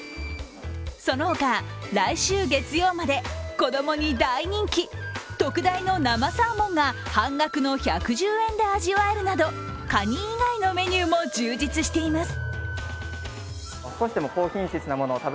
そのほか、来週月曜まで子供に大人気、特大の生サーモンが半額の１１０円で味わえるなどかに以外のメニューも充実しています。